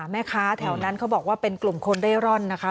แม่ค้าแถวนั้นเขาบอกว่าเป็นกลุ่มคนเร่ร่อนนะคะ